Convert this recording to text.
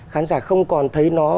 khán giả không còn thấy nó